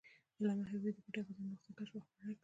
علامه حبیبي د "پټه خزانه" نسخه کشف او خپره کړه.